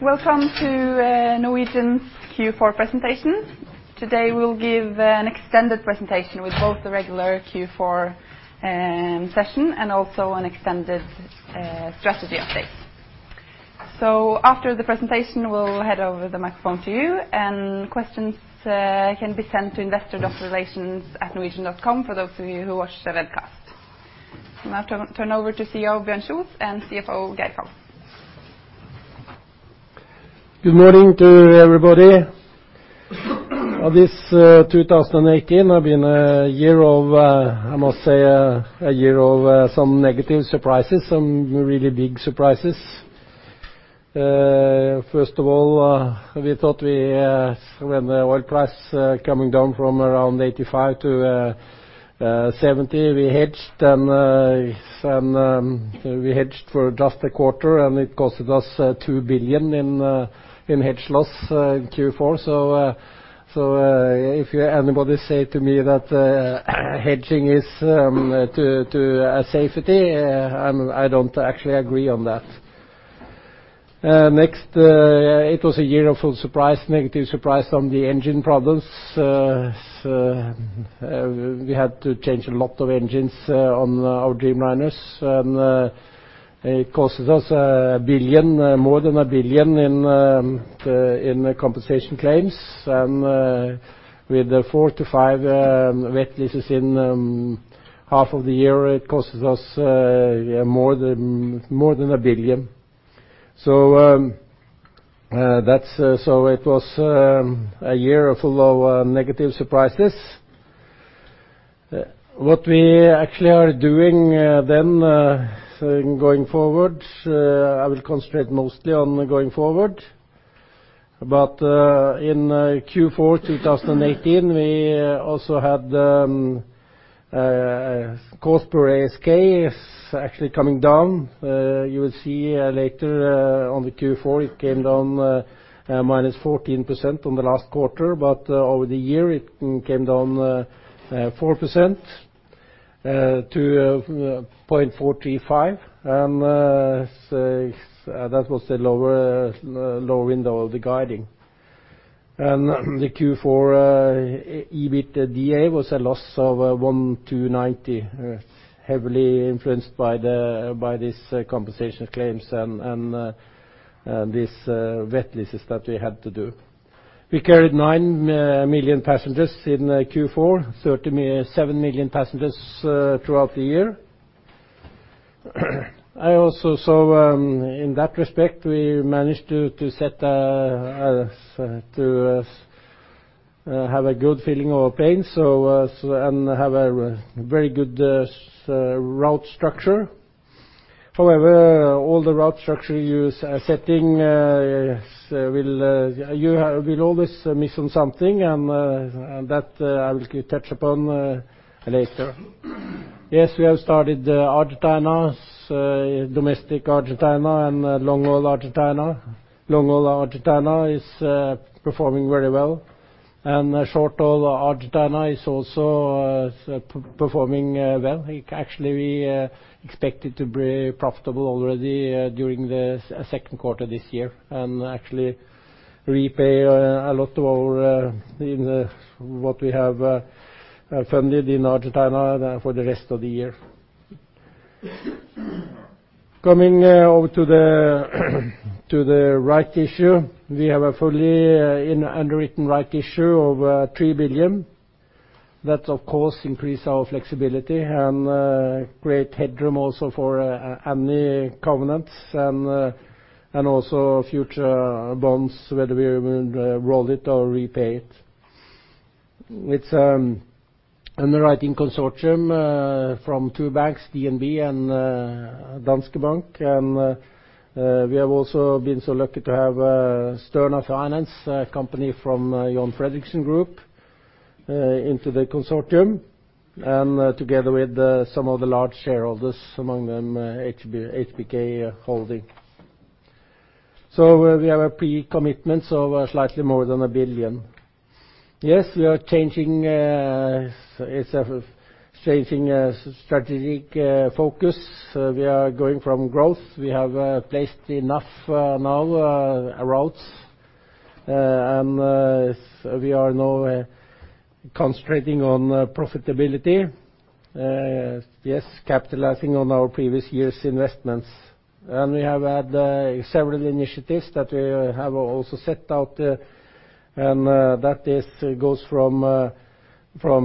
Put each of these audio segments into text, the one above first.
Welcome to Norwegian's Q4 presentation. Today, we'll give an extended presentation with both the regular Q4 session and also an extended strategy update. After the presentation, we'll hand over the microphone to you, and questions can be sent to investor.relations@norwegian.com for those of you who watch the webcast. I turn over to CEO Bjørn Kjos and CFO Geir Karlsen. Good morning to everybody. This 2018 has been, I must say, a year of some negative surprises, some really big surprises. First of all, we thought when the oil price coming down from around 85 to 70, we hedged, and we hedged for just a quarter, and it cost us 2 billion in hedge loss in Q4. If anybody say to me that hedging is a safety, I don't actually agree on that. Next, it was a year full of negative surprise on the engine problems. We had to change a lot of engines on our Dreamliners, and it cost us more than 1 billion in compensation claims. With 4 to 5 wet leases in half of the year, it cost us more than 1 billion. It was a year full of negative surprises. What we actually are doing then, going forward, I will concentrate mostly on going forward. In Q4 2018, we also had cost per ASK is actually coming down. You will see later on the Q4, it came down -14% on the last quarter, but over the year, it came down 4% to 0.435. That was the lower window of the guiding. The Q4 EBITDA was a loss of 1,290, heavily influenced by these compensation claims and these wet leases that we had to do. We carried 9 million passengers in Q4, 37 million passengers throughout the year. In that respect, we managed to have a good filling or paying and have a very good route structure. However, all the route structure you setting, you will always miss on something, and that I will touch upon later. We have started Argentina, domestic Argentina and long-haul Argentina. Long-haul Argentina is performing very well. Short-haul Argentina is also performing well. Actually, we expect it to be profitable already during the second quarter this year and actually repay a lot of what we have funded in Argentina for the rest of the year. Coming over to the right issue. We have a fully underwritten right issue of 3 billion. That, of course, increase our flexibility and create headroom also for any covenants and also future bonds, whether we will roll it or repay it. It's underwriting consortium from 2 banks, DNB and Danske Bank. We have also been so lucky to have Sterna Finance, a company from John Fredriksen Group, into the consortium, and together with some of the large shareholders, among them HBK Holding. We have a pre-commitment of slightly more than 1 billion. We are changing strategic focus. We are going from growth. We have placed enough now routes, and we are now concentrating on profitability. Yes, capitalizing on our previous year's investments. We have had several initiatives that we have also set out, and that goes from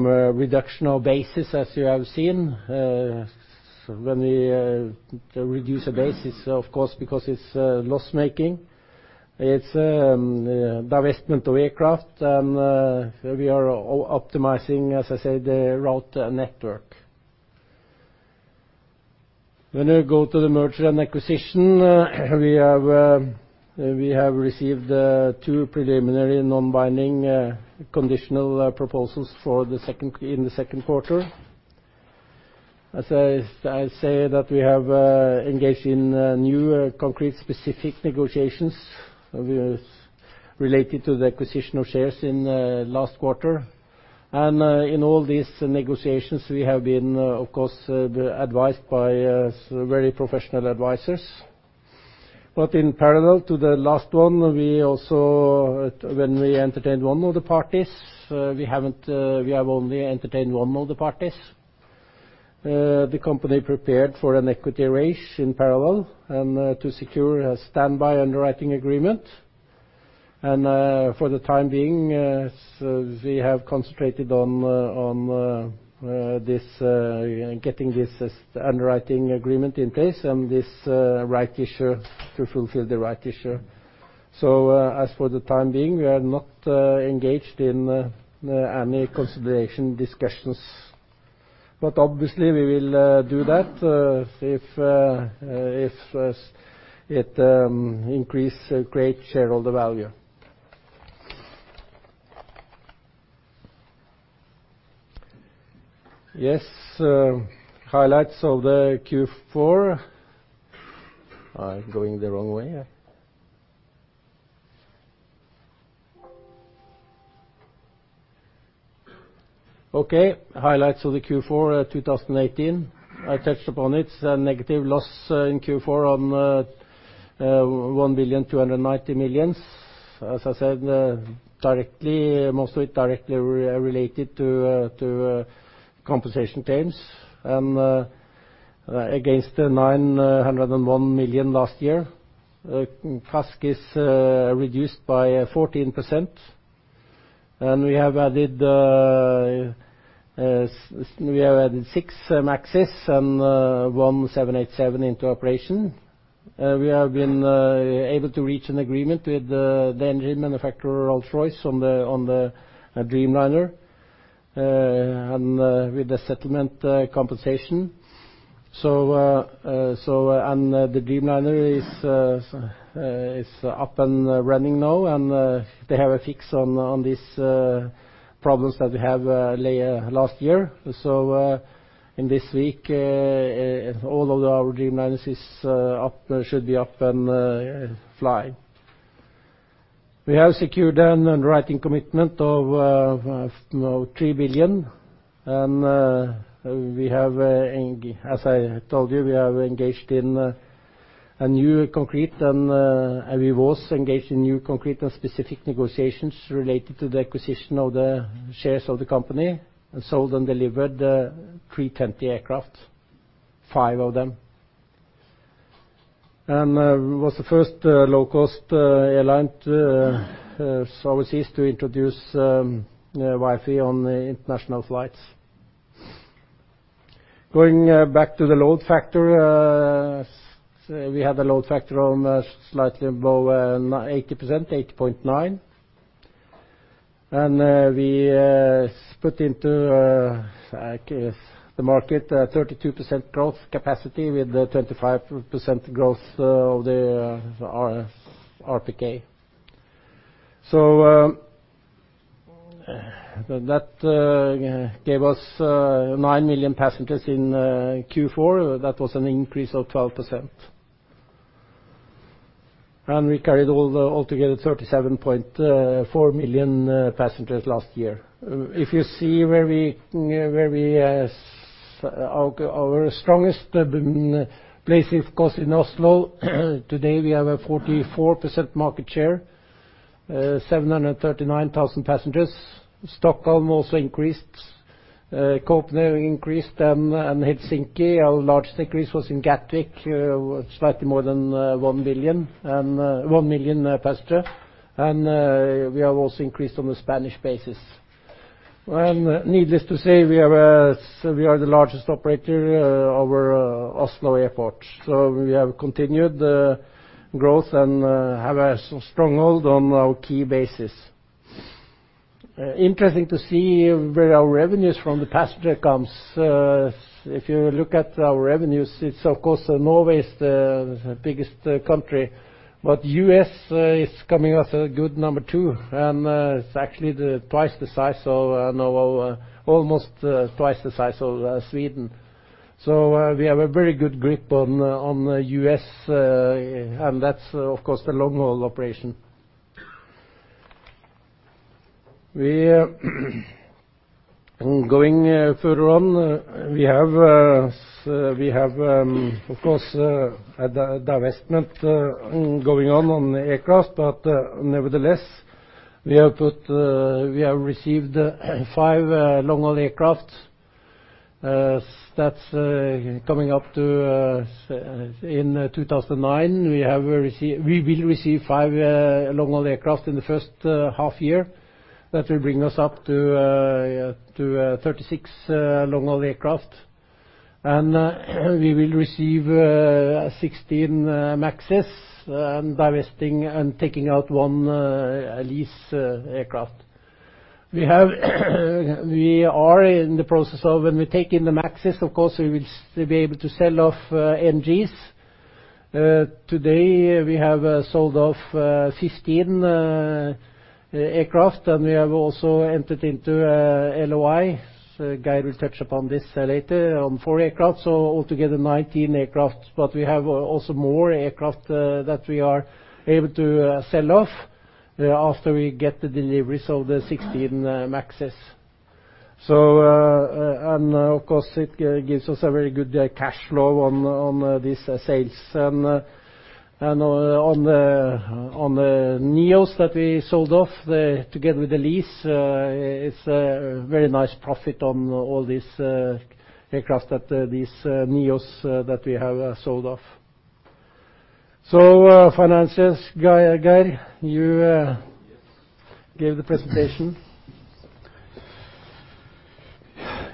reduction of bases, as you have seen. When we reduce a base is, of course, because it's loss-making. It's divestment of aircraft, and we are optimizing, as I said, the route network. When I go to the merger and acquisition, we have received two preliminary non-binding conditional proposals in the second quarter. As I say that we have engaged in new concrete specific negotiations related to the acquisition of shares in the last quarter. In all these negotiations, we have been, of course, advised by very professional advisors. In parallel to the last one, when we entertained one of the parties, we have only entertained one of the parties. The company prepared for an equity raise in parallel and to secure a standby underwriting agreement. For the time being, we have concentrated on getting this underwriting agreement in place and to fulfill the right issue. As for the time being, we are not engaged in any consideration discussions. Obviously we will do that if it creates shareholder value. Yes. Highlights of the Q4. I'm going the wrong way. Okay. Highlights of the Q4 2018. I touched upon it. A negative loss in Q4 of 1 billion 290 million. As I said, most of it directly related to compensation claims. Against the 901 million last year. CASK is reduced by 14%. We have added six MAXes and one 787 into operation. We have been able to reach an agreement with the engine manufacturer, Rolls-Royce, on the Dreamliner, and with the settlement compensation. The Dreamliner is up and running now, and they have a fix on these problems that we had last year. In this week, all of our Dreamliners should be up and flying. We have secured an underwriting commitment of 3 billion. As I told you, we are engaged in a new concrete, and we was engaged in new concrete and specific negotiations related to the acquisition of the shares of the company. Sold and delivered A320 aircraft five of them. Was the first low-cost airline services to introduce Wi-Fi on international flights. Going back to the load factor, we had a load factor of slightly above 80%, 80.9%. We put into the market a 32% growth capacity with a 25% growth of the RPK. That gave us 9 million passengers in Q4. That was an increase of 12%. We carried altogether 37.4 million passengers last year. If you see where our strongest places, of course in Oslo. Today, we have a 44% market share, 739,000 passengers. Stockholm also increased. Copenhagen increased and Helsinki. Our largest increase was in Gatwick, slightly more than 1 million passengers. We have also increased on the Spanish bases. Needless to say, we are the largest operator over Oslo Airport. We have continued growth and have a stronghold on our key bases. Interesting to see where our revenues from the passenger comes. If you look at our revenues, of course, Norway is the biggest country, but U.S. is coming as a good number two, and it's actually almost twice the size of Sweden. We have a very good grip on the U.S., and that's, of course, the long-haul operation. Going further on, we have, of course, a divestment going on on aircraft, but nevertheless, we have received five long-haul aircraft. That's coming up to in 2019. We will receive five long-haul aircraft in the first half year. That will bring us up to 36 long-haul aircraft. We will receive 16 MAXes and divesting and taking out one lease aircraft. We are in the process of when we take in the MAXes, of course, we will be able to sell off NGs. Today, we have sold off 15 aircraft, and we have also entered into a LOI. Geir will touch upon this later on four aircraft. Altogether 19 aircraft. Of course, it gives us a very good cash flow on these sales. On the NEOs that we sold off together with the lease, it's a very nice profit on all these aircraft, these NEOs that we have sold off. Finances, Geir, you give the presentation.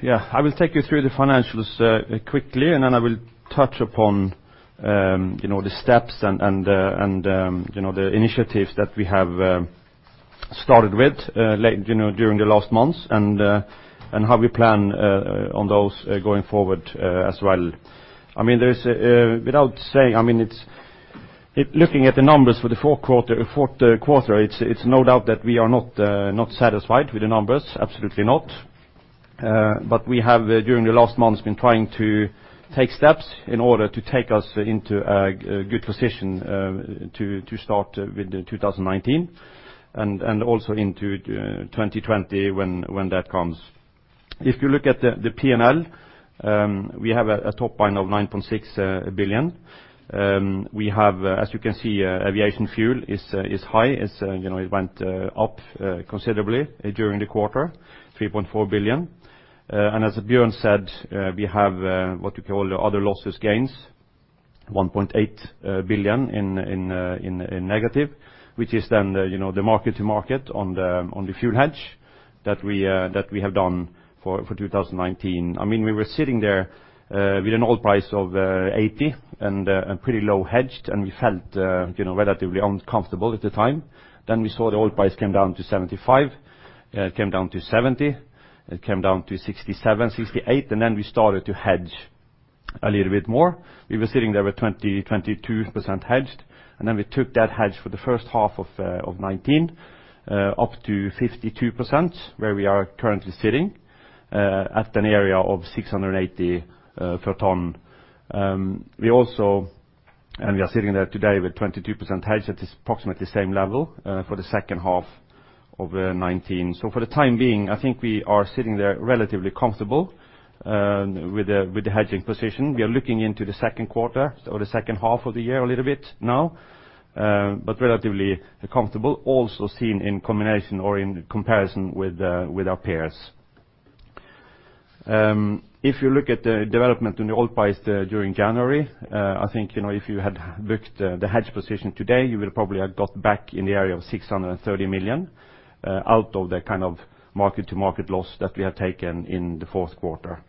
Yeah. I will take you through the financials quickly, and then I will touch upon the steps and the initiatives that we have started with during the last months and how we plan on those going forward as well. Looking at the numbers for the fourth quarter, it's no doubt that we are not satisfied with the numbers. Absolutely not. We have, during the last months, been trying to take steps in order to take us into a good position to start with 2019 and also into 2020 when that comes. If you look at the P&L, we have a top line of 9.6 billion. We have, as you can see aviation fuel is high. It went up considerably during the quarter, 3.4 billion. As Bjørn said we have what you call other losses, gains 1.8 billion in negative, which is then the mark-to-market on the fuel hedge that we have done for 2019. We were sitting there with an oil price of 80 and pretty low hedged, we felt relatively uncomfortable at the time. We saw the oil price came down to 75, it came down to 70, it came down to 67, 68. We started to hedge a little bit more. We were sitting there with 22% hedged, and then we took that hedge for the first half of 2019 up to 52%, where we are currently sitting at an area of 680 per ton. We are sitting there today with 22% hedge at approximately the same level for the second half of 2019. For the time being, I think we are sitting there relatively comfortable with the hedging position. We are looking into the second quarter or the second half of the year a little bit now but relatively comfortable, also seen in combination or in comparison with our peers. If you look at the development in the oil price during January, I think if you had booked the hedge position today, you would probably have got back in the area of 630 million out of that kind of mark-to-market loss that we have taken in the fourth quarter.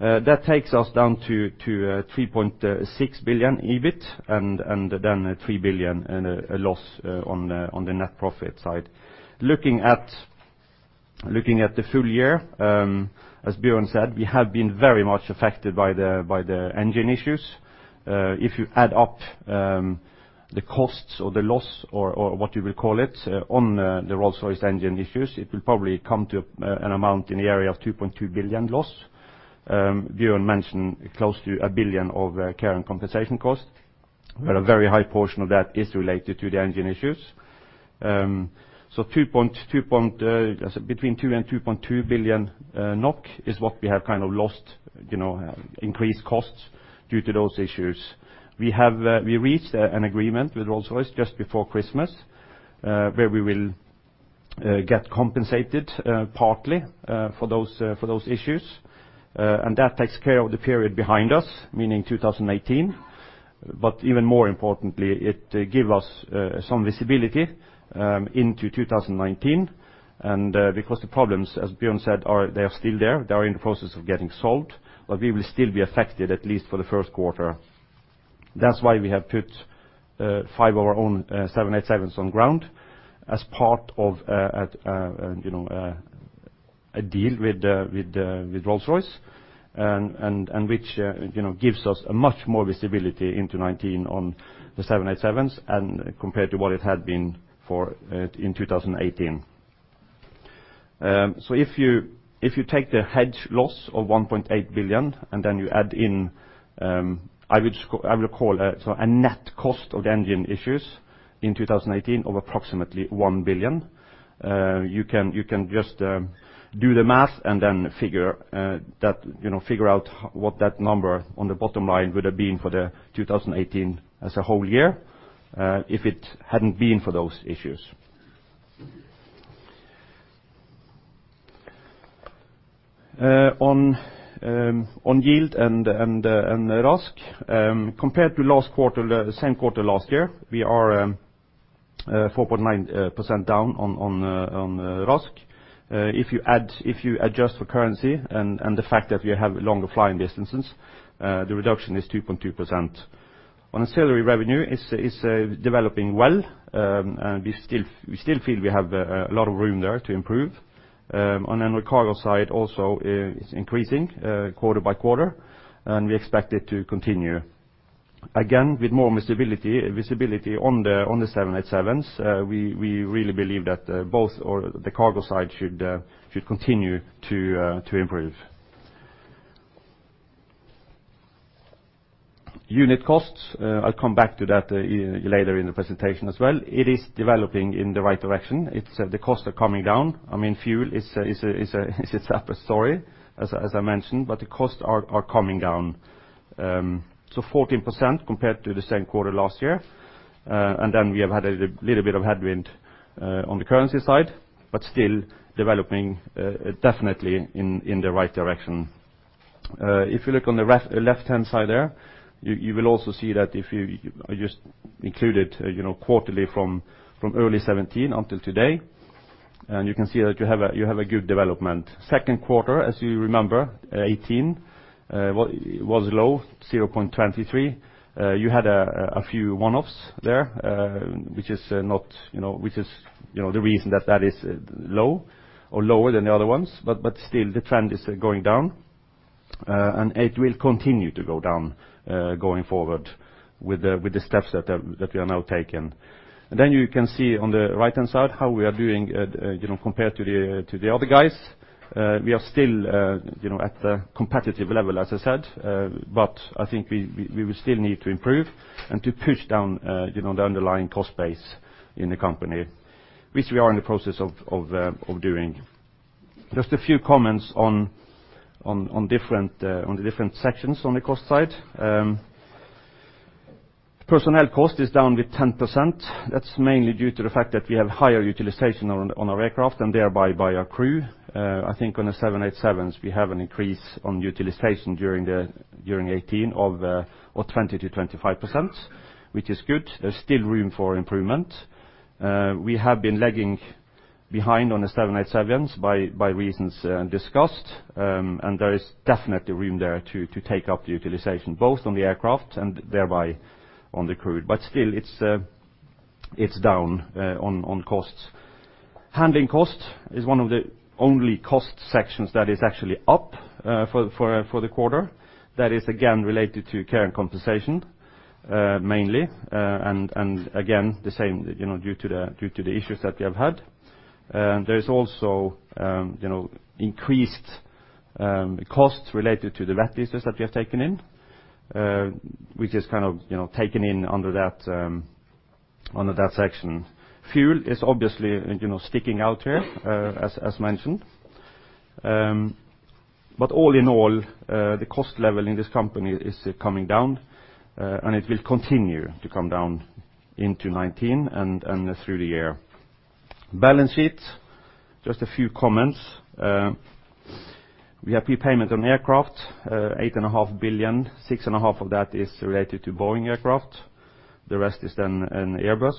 That takes us down to 3.6 billion EBIT and then 3 billion loss on the net profit side. Looking at the full year, as Bjørn said, we have been very much affected by the engine issues. If you add up the costs or the loss or what you will call it on the Rolls-Royce engine issues, it will probably come to an amount in the area of 2.2 billion loss. Bjørn mentioned close to 1 billion of care and compensation cost, but a very high portion of that is related to the engine issues. Between 2 billion and 2.2 billion NOK is what we have lost, increased costs due to those issues. We reached an agreement with Rolls-Royce just before Christmas where we will get compensated partly for those issues and that takes care of the period behind us, meaning 2018. Even more importantly, it give us some visibility into 2019. Because the problems, as Bjørn said, they are still there. They are in the process of getting solved, but we will still be affected at least for the first quarter. That's why we have put five of our own 787s on ground as part of a deal with Rolls-Royce which gives us a much more visibility into 2019 on the 787s and compared to what it had been in 2018. If you take the hedge loss of 1.8 billion and then you add in, I will call a net cost of the engine issues in 2018 of approximately 1 billion. You can just do the math and then figure out what that number on the bottom line would have been for the 2018 as a whole year if it hadn't been for those issues. On yield and RASK. Compared to same quarter last year, we are 4.9% down on RASK. If you adjust for currency and the fact that we have longer flying distances, the reduction is 2.2%. On ancillary revenue, it's developing well. We still feel we have a lot of room there to improve. The cargo side also is increasing quarter by quarter, and we expect it to continue. With more visibility on the 787s, we really believe that both or the cargo side should continue to improve. Unit costs. I'll come back to that later in the presentation as well. It is developing in the right direction. The costs are coming down. Fuel is a separate story, as I mentioned, but the costs are coming down, so 14% compared to the same quarter last year. We have had a little bit of headwind on the currency side, but still developing definitely in the right direction. If you look on the left-hand side there, you will also see that if you just include it quarterly from early 2017 until today, you can see that you have a good development. Second quarter, as you remember, 2018, was low, 0.23. You had a few one-offs there, which is the reason that that is low or lower than the other ones. Still, the trend is going down, and it will continue to go down, going forward with the steps that we are now taking. You can see on the right-hand side how we are doing compared to the other guys. We are still at the competitive level, as I said, but I think we will still need to improve and to push down the underlying cost base in the company, which we are in the process of doing. Just a few comments on the different sections on the cost side. Personnel cost is down with 10%. That's mainly due to the fact that we have higher utilization on our aircraft and thereby via crew. I think on the 787s we have an increase on utilization during 2018 of 20%-25%, which is good. There's still room for improvement. We have been lagging behind on the 787s by reasons discussed. There is definitely room there to take up the utilization both on the aircraft and thereby on the crew. Still, it's down on costs. Handling cost is one of the only cost sections that is actually up for the quarter. That is, again, related to care and compensation mainly, and again, the same, due to the issues that we have had. There is also increased costs related to the wet leases that we have taken in, which is taken in under that section. Fuel is obviously sticking out here, as mentioned. All in all, the cost level in this company is coming down, and it will continue to come down into 2019 and through the year. Balance sheet, just a few comments. We have prepayment on aircraft, 8.5 billion. 6.5 billion of that is related to Boeing aircraft. The rest is then in Airbus.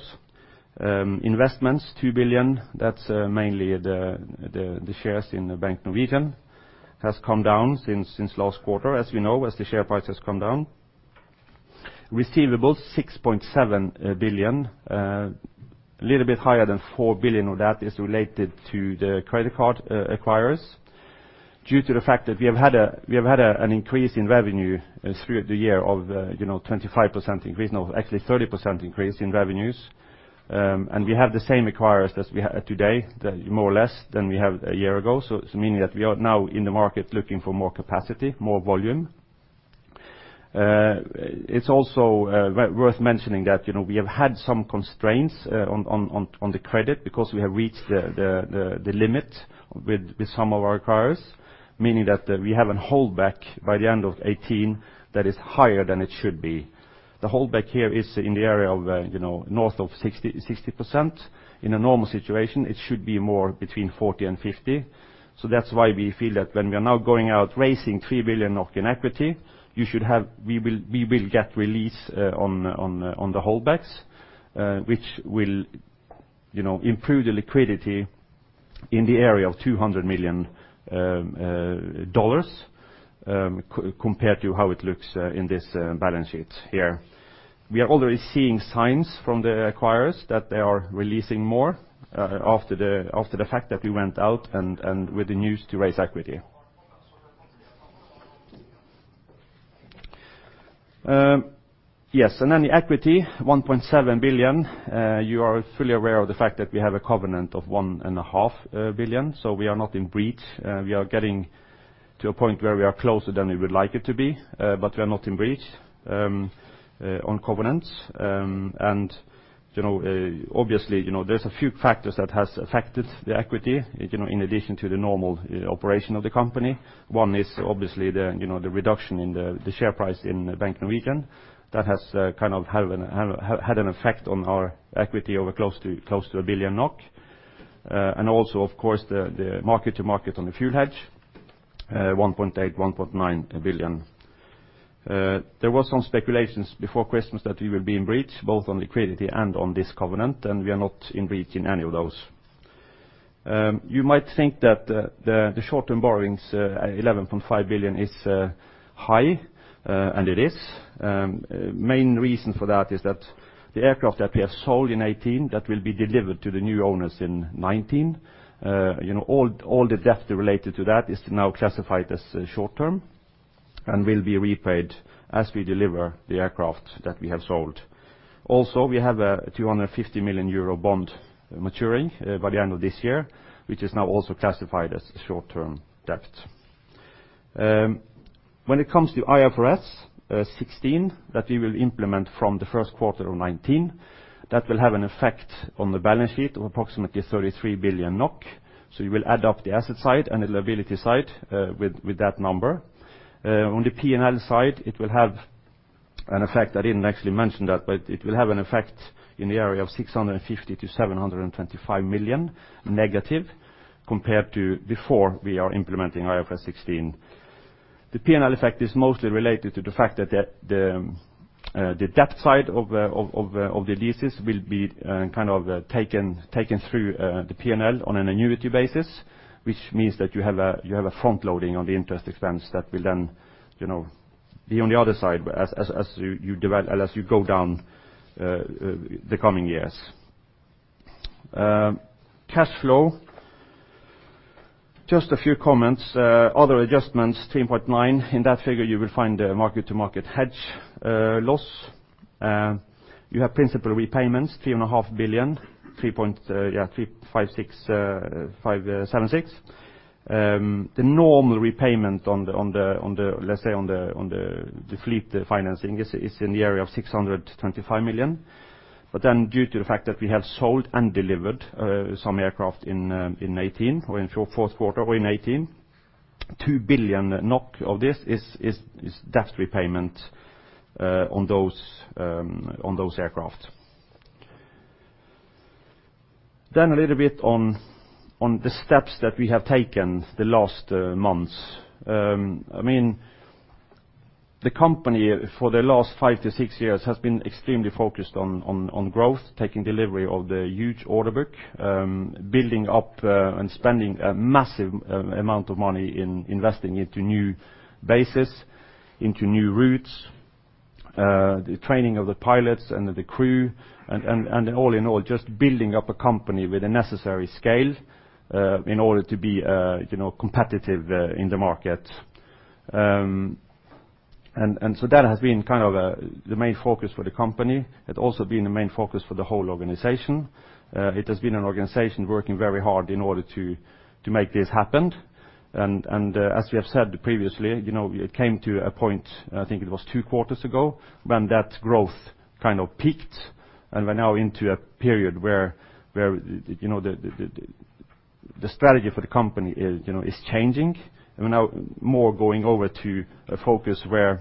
Investments, 2 billion. That's mainly the shares in the Bank Norwegian has come down since last quarter, as you know, as the share price has come down. Receivables, 6.7 billion. A little bit higher than 4 billion of that is related to the credit card acquirers due to the fact that we have had an increase in revenue through the year of 25% increase, actually 30% increase in revenues. We have the same acquirers today, more or less, than we had a year ago. It's meaning that we are now in the market looking for more capacity, more volume. It's also worth mentioning that we have had some constraints on the credit because we have reached the limit with some of our acquirers, meaning that we have a holdback by the end of 2018 that is higher than it should be. The holdback here is in the area of north of 60%. In a normal situation, it should be more between 40%-50%. That's why we feel that when we are now going out raising 3 billion in equity, we will get release on the holdbacks, which will improve the liquidity in the area of $200 million compared to how it looks in this balance sheet here. We are already seeing signs from the acquirers that they are releasing more after the fact that we went out with the news to raise equity. The equity, 1.7 billion. You are fully aware of the fact that we have a covenant of 1.5 billion. We are not in breach. We are getting to a point where we are closer than we would like it to be. We are not in breach on covenants. Obviously, there's a few factors that has affected the equity, in addition to the normal operation of the company. One is obviously the reduction in the share price in Bank Norwegian. That has had an effect on our equity over close to 1 billion NOK. Also, of course, the mark-to-market on the fuel hedge, 1.8 billion, 1.9 billion. There was some speculations before Christmas that we will be in breach, both on liquidity and on this covenant. We are not in breach in any of those. You might think that the short-term borrowings, 11.5 billion, is high, and it is. Main reason for that is that the aircraft that we have sold in 2018, that will be delivered to the new owners in 2019. All the debt related to that is now classified as short-term and will be repaid as we deliver the aircraft that we have sold. We have a 250 million euro bond maturing by the end of this year, which is now also classified as short-term debt. When it comes to IFRS 16, that we will implement from the first quarter of 2019, that will have an effect on the balance sheet of approximately 33 billion NOK. You will add up the asset side and the liability side with that number. On the P&L side, it will have an effect. I didn't actually mention that, but it will have an effect in the area of 650 million to 725 million negative compared to before we are implementing IFRS 16. The P&L effect is mostly related to the fact that the debt side of the leases will be taken through the P&L on an annuity basis, which means that you have a front-loading on the interest expense that will then be on the other side as you go down the coming years. Cash flow, just a few comments. Other adjustments, 3.9 billion. In that figure, you will find the mark-to-market hedge loss. You have principal repayments, 3.5 billion. 3.76 billion. The normal repayment on the, let's say on the fleet financing is in the area of 625 million. Due to the fact that we have sold and delivered some aircraft in 2018 or in fourth quarter in 2018, 2 billion NOK of this is debt repayment on those aircraft. A little bit on the steps that we have taken the last months. The company for the last five to six years has been extremely focused on growth, taking delivery of the huge order book, building up and spending a massive amount of money in investing into new bases, into new routes. The training of the pilots and the crew and all in all, just building up a company with the necessary scale in order to be competitive in the market. That has been the main focus for the company. It also been the main focus for the whole organization. It has been an organization working very hard in order to make this happen. As we have said previously, it came to a point, I think it was two quarters ago, when that growth peaked. We're now into a period where the strategy for the company is changing. We're now more going over to a focus where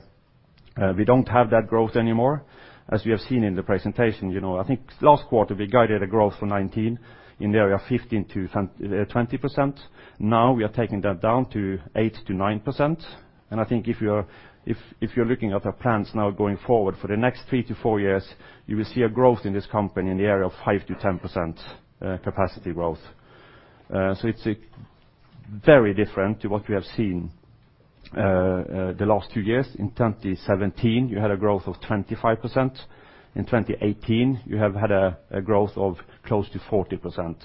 we don't have that growth anymore. As we have seen in the presentation, I think last quarter we guided a growth for 2019 in the area of 15%-20%. Now we are taking that down to 8%-9%. I think if you're looking at our plans now going forward for the next three to four years, you will see a growth in this company in the area of 5%-10% capacity growth. It's very different to what we have seen the last two years. In 2017, you had a growth of 25%. In 2018, you have had a growth of close to 40%.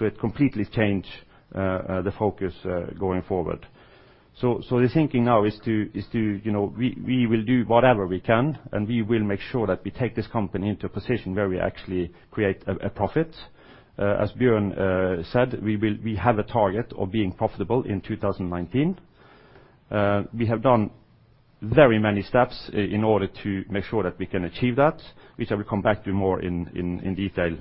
It completely change the focus going forward. The thinking now is we will do whatever we can, and we will make sure that we take this company into a position where we actually create a profit. As Bjørn said, we have a target of being profitable in 2019. We have done very many steps in order to make sure that we can achieve that, which I will come back to more in detail.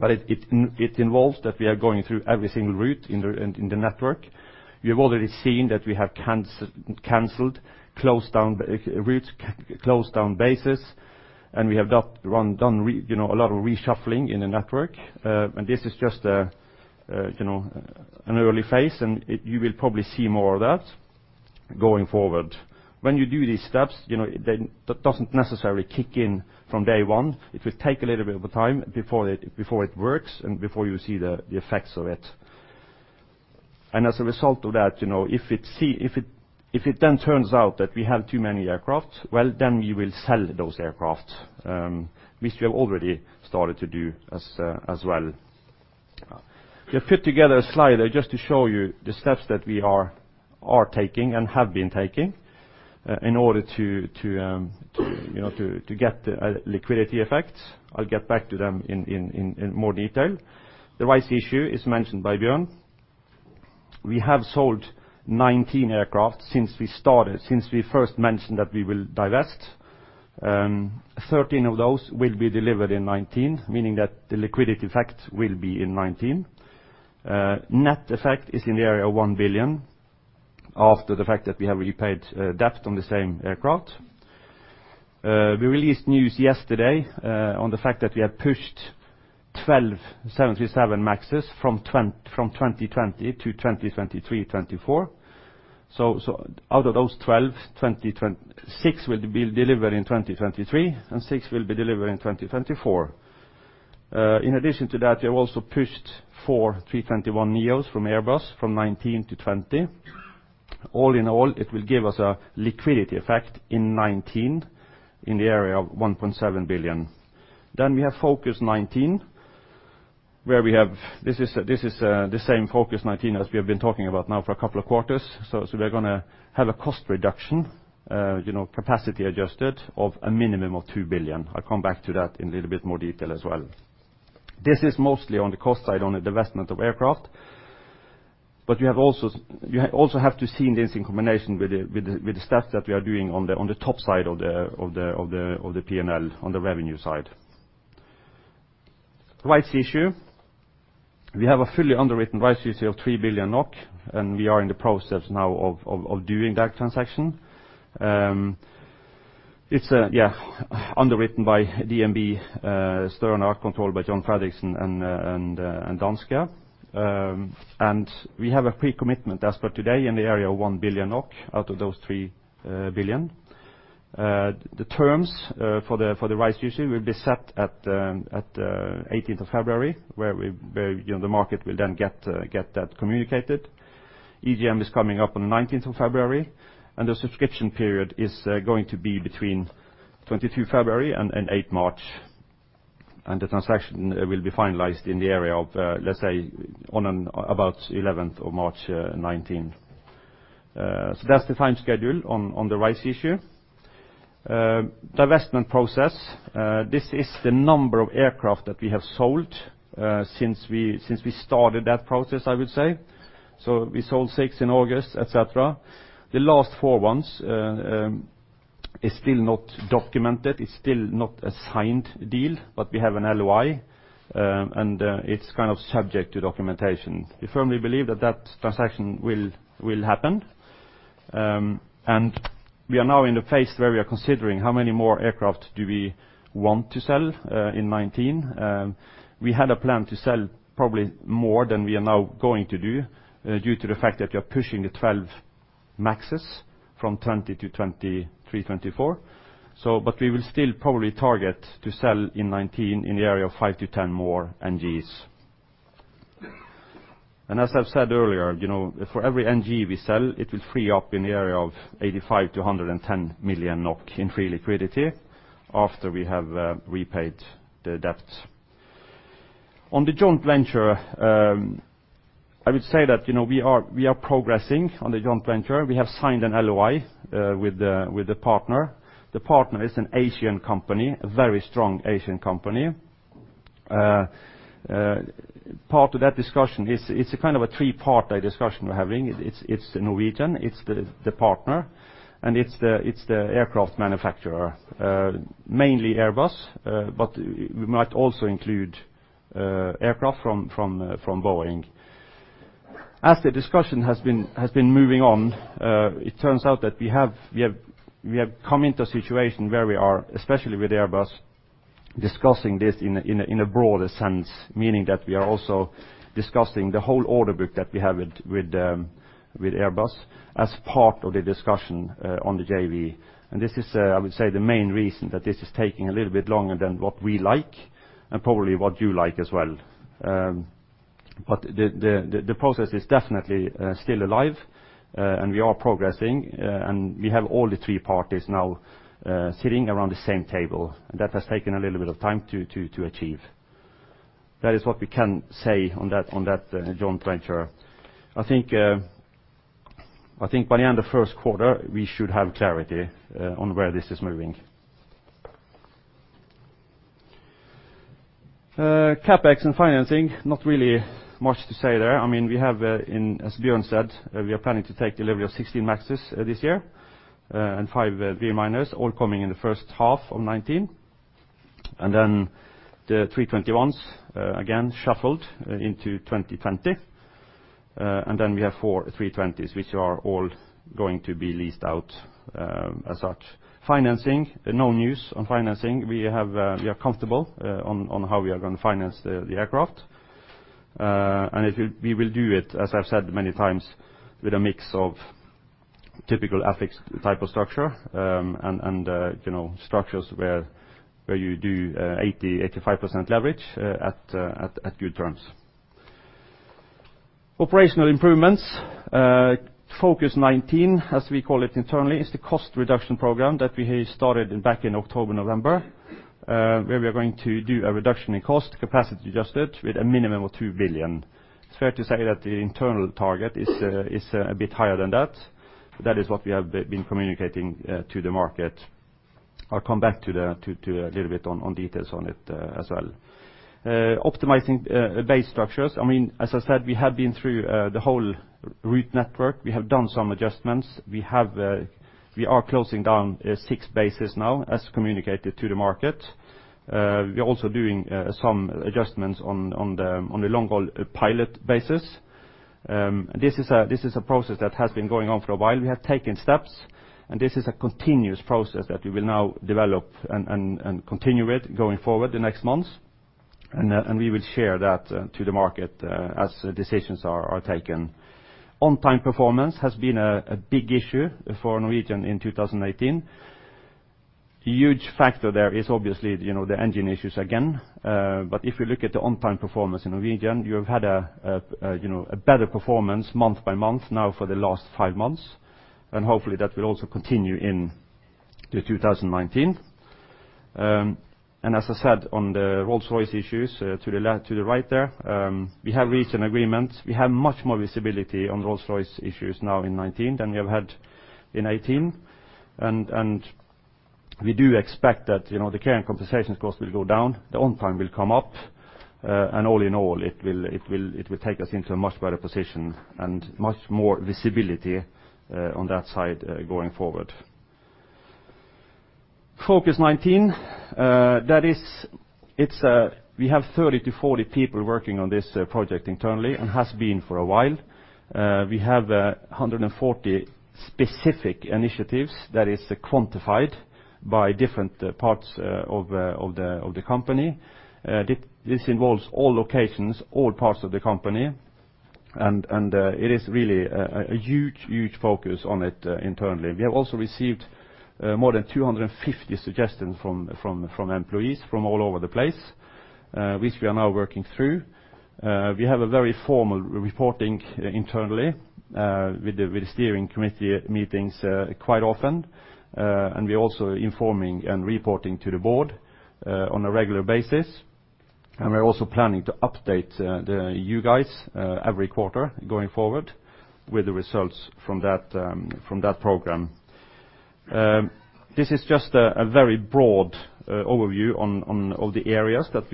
It involves that we are going through every single route in the network. We have already seen that we have canceled, closed down routes, closed down bases, and we have done a lot of reshuffling in the network. This is just an early phase, and you will probably see more of that going forward. When you do these steps, that doesn't necessarily kick in from day one. It will take a little bit of time before it works and before you see the effects of it. As a result of that, if it then turns out that we have too many aircraft, well, then we will sell those aircraft, which we have already started to do as well. We have put together a slide just to show you the steps that we are taking and have been taking in order to get the liquidity effects. I'll get back to them in more detail. The rights issue is mentioned by Bjørn. We have sold 19 aircraft since we first mentioned that we will divest. 13 of those will be delivered in 2019, meaning that the liquidity effect will be in 2019. Net effect is in the area of 1 billion after the fact that we have repaid debt on the same aircraft. We released news yesterday on the fact that we have pushed 12 737 MAXs from 2020 to 2023, 2024. Out of those 12, six will be delivered in 2023, and six will be delivered in 2024. In addition to that, we have also pushed 4 A321NEOs from Airbus from 2019 to 2020. All in all, it will give us a liquidity effect in 2019 in the area of 1.7 billion. We have #Focus2019, this is the same #Focus2019 as we have been talking about now for a couple of quarters. We're going to have a cost reduction capacity adjusted of a minimum of 2 billion. I'll come back to that in a little bit more detail as well. This is mostly on the cost side on the divestment of aircraft. You also have to see this in combination with the steps that we are doing on the top side of the P&L, on the revenue side. Rights issue. We have a fully underwritten rights issue of 3 billion NOK. We are in the process now of doing that transaction. It's underwritten by DNB, Sterna Finance control by John Fredriksen and Danske. We have a pre-commitment as for today in the area of 1 billion NOK out of those 3 billion. The terms for the rights issue will be set at the 18th of February, where the market will then get that communicated. EGM is coming up on the 19th of February. The subscription period is going to be between 22 February and eight March. The transaction will be finalized in the area of, let's say on and about 11th of March 2019. That's the time schedule on the rights issue. Divestment process. This is the number of aircraft that we have sold since we started that process, I would say. We sold six in August, et cetera. The last four ones is still not documented. It's still not a signed deal, but we have an LOI. It's kind of subject to documentation. We firmly believe that transaction will happen. We are now in the phase where we are considering how many more aircraft do we want to sell in 2019. We had a plan to sell probably more than we are now going to do due to the fact that we are pushing the 12 MAXs from 2020 to 2023/2024. We will still probably target to sell in 2019 in the area of five to 10 more NGs. As I've said earlier, for every NG we sell, it will free up in the area of 85 million-110 million NOK in free liquidity after we have repaid the debt. On the joint venture, I would say that we are progressing on the joint venture. We have signed an LOI with the partner. The partner is an Asian company, a very strong Asian company. Part of that discussion is it's a kind of a three-part discussion we're having. It's Norwegian, it's the partner, and it's the aircraft manufacturer. Mainly Airbus but we might also include aircraft from Boeing. As the discussion has been moving on, it turns out that we have come into a situation where we are, especially with Airbus, discussing this in a broader sense, meaning that we are also discussing the whole order book that we have with Airbus as part of the discussion on the JV. This is, I would say, the main reason that this is taking a little bit longer than what we like and probably what you like as well. The process is definitely still alive, and we are progressing, and we have all the three parties now sitting around the same table. That has taken a little bit of time to achieve. That is what we can say on that joint venture. I think by the end of the first quarter, we should have clarity on where this is moving. CapEx and financing, not really much to say there. We have as Bjørn said, we are planning to take delivery of 16 MAXs this year and five B-minus, all coming in the first half of 2019. Then the A321s again shuffled into 2020. Then we have four A320s, which are all going to be leased out as such. Financing, no news on financing. We are comfortable on how we are going to finance the aircraft. And we will do it, as I've said many times, with a mix of typical EETC type of structure and structures where you do 80%-85% leverage at good terms. Operational improvements. #Focus2019, as we call it internally, is the cost reduction program that we started back in October, November where we are going to do a reduction in cost, capacity adjusted, with a minimum of 2 billion. It's fair to say that the internal target is a bit higher than that. That is what we have been communicating to the market. I'll come back to a little bit on details on it as well. Optimizing base structures. As I said, we have been through the whole route network. We have done some adjustments. We are closing down six bases now, as communicated to the market. We are also doing some adjustments on the long-haul pilot bases. This is a process that has been going on for a while. We have taken steps, and this is a continuous process that we will now develop and continue with going forward the next months. We will share that to the market as decisions are taken. On-time performance has been a big issue for Norwegian in 2018. Huge factor there is obviously the engine issues again. If you look at the on-time performance in Norwegian, you have had a better performance month by month now for the last five months. Hopefully, that will also continue in 2019. As I said on the Rolls-Royce issues to the right there, we have reached an agreement. We have much more visibility on Rolls-Royce issues now in 2019 than we have had in 2018. We do expect that the care and compensation costs will go down, the on-time will come up, and all in all, it will take us into a much better position and much more visibility on that side going forward. #Focus2019. We have 30-40 people working on this project internally and have been for a while. We have 140 specific initiatives that are quantified by different parts of the company. This involves all locations, all parts of the company, it is really a huge focus on it internally. We have also received more than 250 suggestions from employees from all over the place, which we are now working through. We have a very formal reporting internally with steering committee meetings quite often. We are also informing and reporting to the board on a regular basis. We are also planning to update you guys every quarter going forward with the results from that program. This is just a very broad overview of all the areas that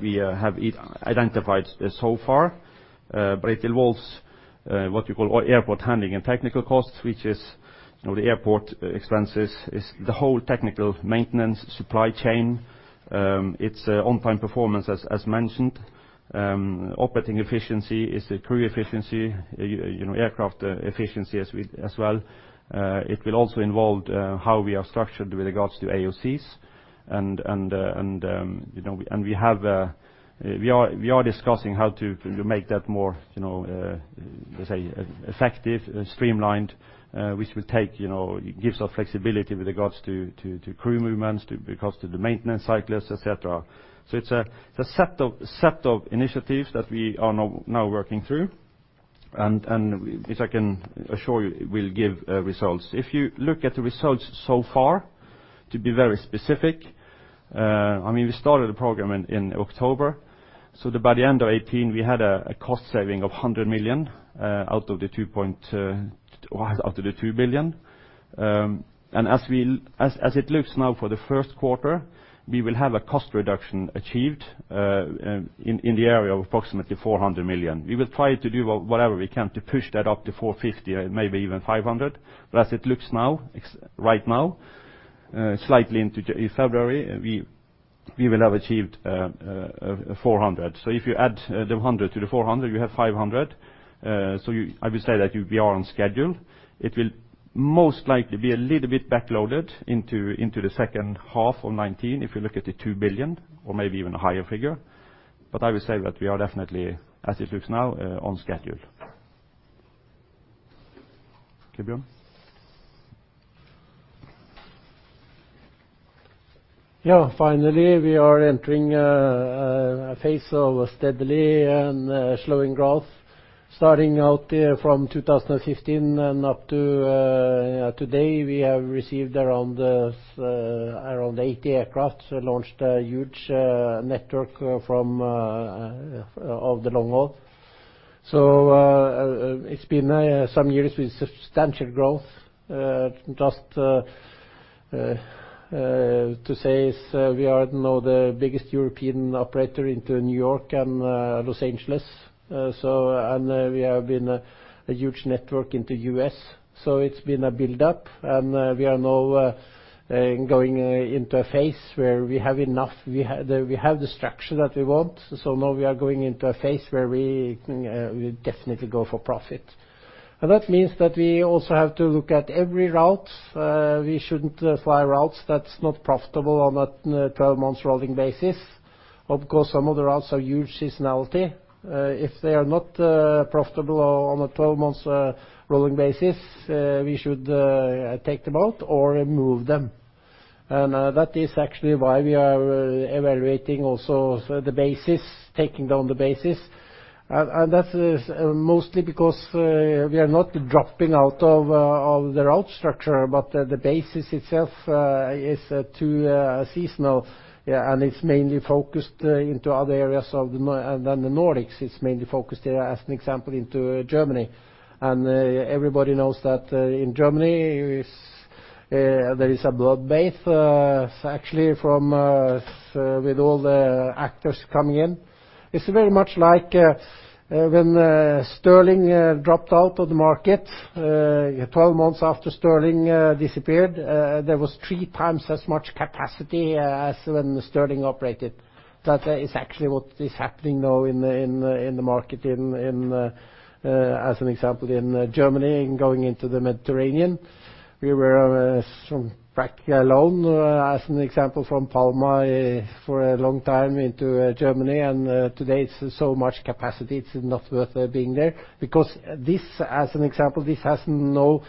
we have identified so far. It involves what we call airport handling and technical costs, which is the airport expenses. It's the whole technical maintenance supply chain. It's on-time performance as mentioned. Operating efficiency is the crew efficiency, aircraft efficiency as well. It will also involve how we are structured with regards to AOCs. We are discussing how to make that more effective and streamlined, which gives us flexibility with regards to crew movements, regards to the maintenance cycles, et cetera. It's a set of initiatives that we are now working through and which I can assure you will give results. If you look at the results so far, to be very specific, we started the program in October. By the end of 2018, we had a cost saving of 100 million out of the 2 billion. As it looks now for the first quarter, we will have a cost reduction achieved in the area of approximately 400 million. We will try to do whatever we can to push that up to 450 or maybe even 500. As it looks right now, slightly into February, we will have achieved 400. If you add the 100 to the 400, you have 500. I would say that we are on schedule. It will most likely be a little bit back-loaded into the second half of 2019 if you look at the 2 billion or maybe even a higher figure. I would say that we are definitely, as it looks now, on schedule. Bjørn? Yeah. Finally, we are entering a phase of steadily slowing growth. Starting out from 2015 and up to today, we have received around 80 aircraft, launched a huge network of the long haul. It's been some years with substantial growth. Just to say is we are now the biggest European operator into New York and Los Angeles. We have been a huge network in the U.S., it's been a buildup. We are now going into a phase where we have the structure that we want. Now we are going into a phase where we definitely go for profit. That means that we also have to look at every route. We shouldn't fly routes that's not profitable on a 12 months rolling basis. Of course, some of the routes are huge seasonality. If they are not profitable on a 12 months rolling basis, we should take them out or remove them. That is actually why we are evaluating also the bases, taking down the bases. That is mostly because we are not dropping out of the route structure, but the base itself is too seasonal and it is mainly focused into other areas than the Nordics. It is mainly focused, as an example, into Germany. Everybody knows that in Germany, there is a bloodbath actually with all the actors coming in. It is very much like when Sterling dropped out of the market. 12 months after Sterling disappeared, there was 3 times as much capacity as when Sterling operated. That is actually what is happening now in the market as an example in Germany and going into the Mediterranean. We were from back alone, as an example, from Palma for a long time into Germany. Today it is so much capacity, it is not worth being there because as an example, this has no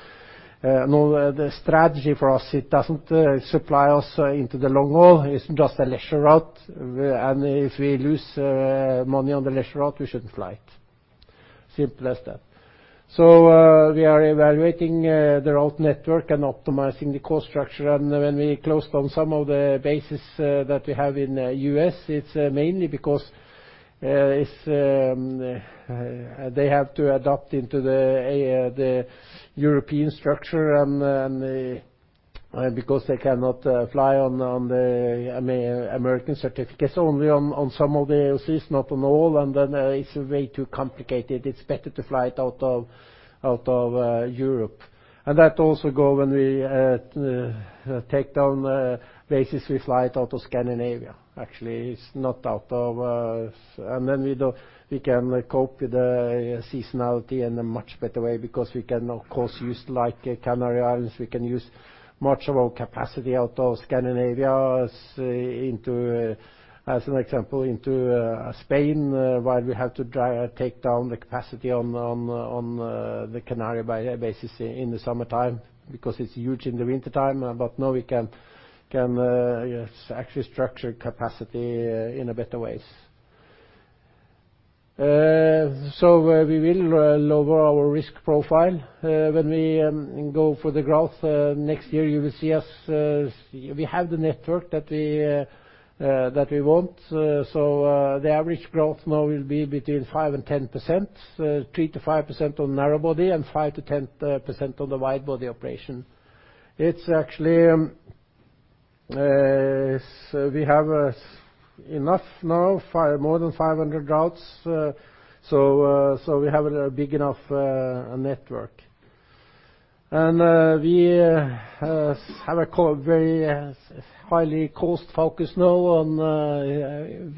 strategy for us. It does not supply us into the long haul. It is just a leisure route. If we lose money on the leisure route, we should not fly it. Simple as that. We are evaluating the route network and optimizing the cost structure. When we closed on some of the bases that we have in the U.S., it is mainly because they have to adapt into the European structure because they cannot fly on the American certificates. Only on some of the routes, not on all, then it is way too complicated. It is better to fly it out of Europe. That also goes when we take down bases, we fly it out of Scandinavia, actually. It is not out of. Then we can cope with the seasonality in a much better way, because we can, of course, use Canary Islands. We can use much of our capacity out of Scandinavia, as an example, into Spain, while we have to take down the capacity on the Canary bases in the summertime, because it is huge in the wintertime. Now we can actually structure capacity in better ways. We will lower our risk profile when we go for the growth. Next year, you will see us. We have the network that we want. The average growth now will be between 5%-10%, 3%-5% on narrow body and 5%-10% on the wide-body operation. We have enough now, more than 500 routes. We have a big enough network. We have a very highly cost-focused now on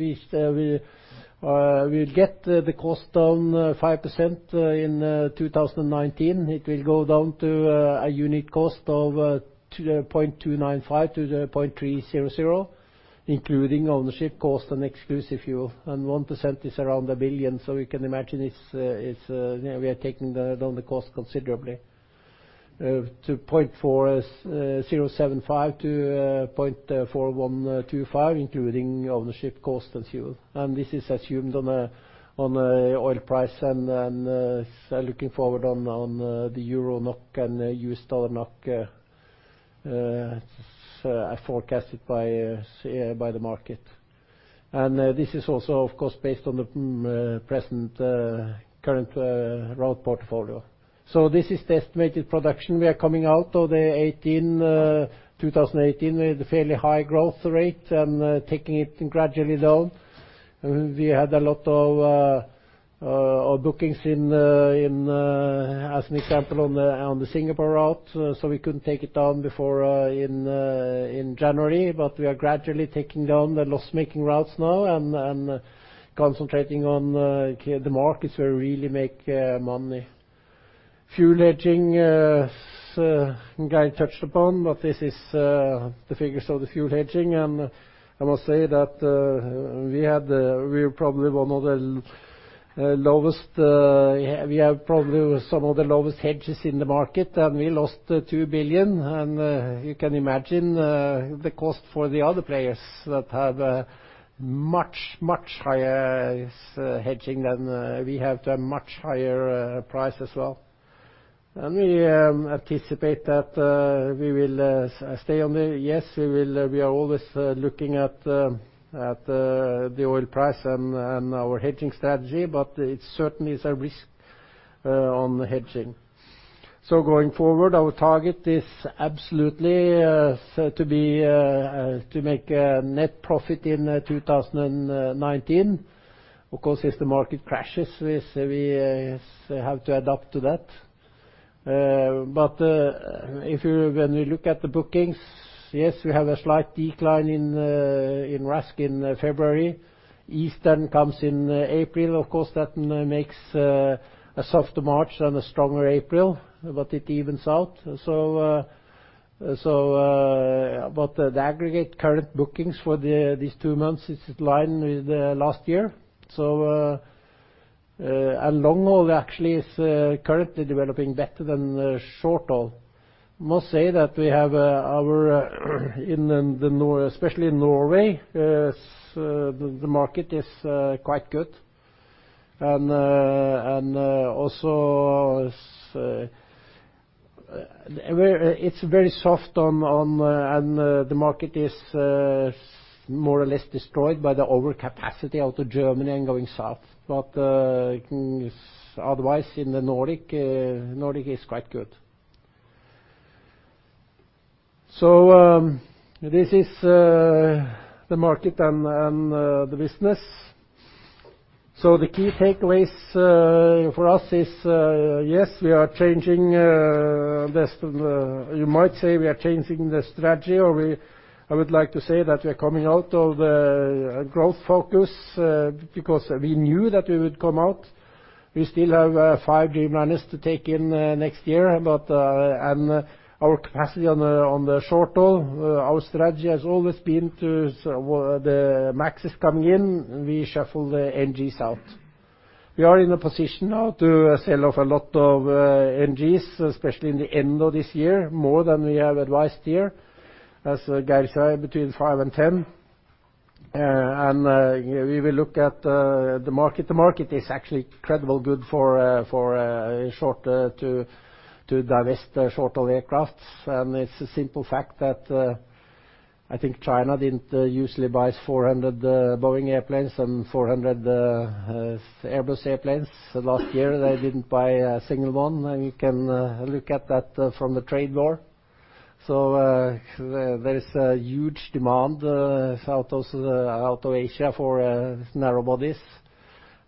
we will get the cost down 5% in 2019. It will go down to a unit cost of 0.295-0.300, including ownership cost and exclusive fuel. 1% is around 1 billion, you can imagine we are taking down the cost considerably, to 0.4075-0.4125, including ownership cost and fuel. This is assumed on the oil price and looking forward on the EUR NOK and USD NOK as forecasted by the market. This is also, of course, based on the present current route portfolio. This is the estimated production. We are coming out of 2018 with a fairly high growth rate and taking it gradually down. We had a lot of bookings, as an example, on the Singapore route, so we couldn't take it down before in January. We are gradually taking down the loss-making routes now and concentrating on the markets where we really make money. Fuel hedging, Geir touched upon. This is the figures of the fuel hedging. I must say that we have probably some of the lowest hedges in the market, and we lost 2 billion. You can imagine the cost for the other players that have much, much higher hedging than we have, they have much higher price as well. We anticipate that we will stay on the We are always looking at the oil price and our hedging strategy, but it certainly is a risk on the hedging. Going forward, our target is absolutely to make a net profit in 2019. Of course, if the market crashes, we have to adapt to that. When we look at the bookings, we have a slight decline in RASK in February. Easter comes in April, of course, that makes a softer March and a stronger April, it evens out. The aggregate current bookings for these two months is in line with last year. Long-haul actually is currently developing better than short-haul. I must say that especially in Norway, the market is quite good. Also, it's very soft, and the market is more or less destroyed by the overcapacity out of Germany and going south. Otherwise, in the Nordic is quite good. This is the market and the business. The key takeaways for us is, you might say we are changing the strategy, or I would like to say that we are coming out of the growth focus, because we knew that we would come out. We still have five Dreamliners to take in next year. Our capacity on the short-haul, our strategy has always been to, the MAX is coming in, we shuffle the NGs out. We are in a position now to sell off a lot of NGs, especially in the end of this year, more than we have advised here. As Geir said, between five and 10. We will look at the market. The market is actually incredibly good to divest short-haul aircrafts. It's a simple fact that I think China didn't usually buy 400 Boeing airplanes and 400 Airbus airplanes. Last year they didn't buy a single one, you can look at that from the trade war. There is a huge demand out of Asia for narrow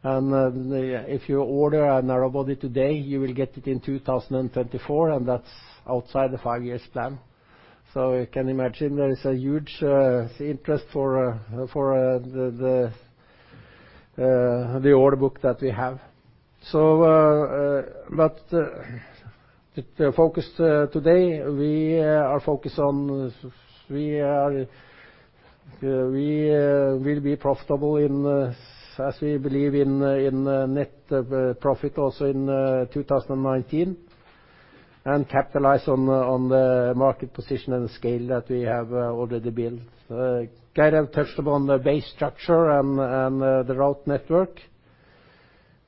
bodies. If you order a narrow body today, you will get it in 2024, and that's outside the five-years plan. You can imagine there is a huge interest for the order book that we have. The focus today, we are focused on, we will be profitable in, as we believe in net profit also in 2019, and capitalize on the market position and scale that we have already built. Geir have touched upon the base structure and the route network.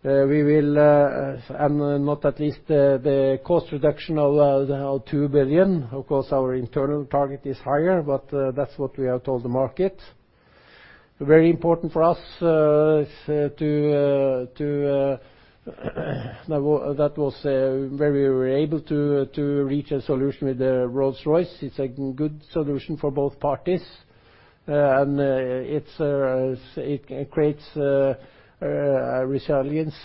We will, and not at least the cost reduction of 2 billion. Of course, our internal target is higher, but that's what we have told the market. Very important for us to that was where we were able to reach a solution with the Rolls-Royce. It's a good solution for both parties. It creates a resilience